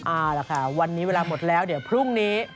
เอาล่ะค่ะวันนี้เวลาหมดแล้วเดี๋ยวพรุ่งนี้